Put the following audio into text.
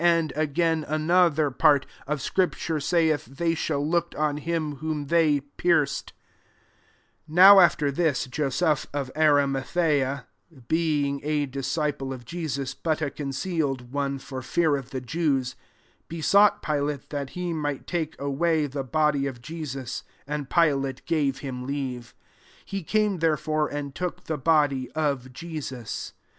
37 And again another /iflr; o/" scripture saith, " They shall looked on him whom they pierc ed/* 38 [^off^] a^er this, Joseph of Arimathea (being a disciple of Jesus, but a concealed one for fear of the Jews,) besought Pilate, that he might take away the body of Jesus : and Pilate gave him leave. He came, there fore, and took the body of Jesus.